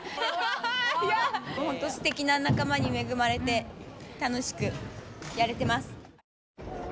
すてきな仲間に恵まれて楽しくやれてます。